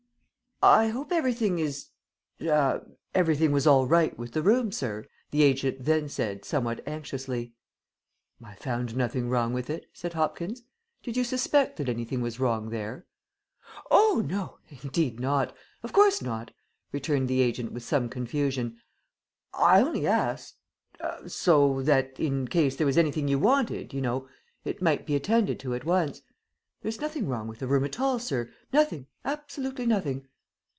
"I hope everything is er everything was all right with the room, sir?" the agent then said somewhat anxiously. "I found nothing wrong with it," said Hopkins; "did you suspect that anything was wrong there?" "Oh, no! indeed not. Of course not," returned the agent with some confusion. "I only asked er so that in case there was anything you wanted, you know, it might be attended to at once. There's nothing wrong with the room at all, sir. Nothing. Absolutely nothing."